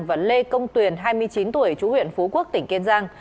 và lê công tuyền hai mươi chín tuổi chú huyện phú quốc tỉnh kiên giang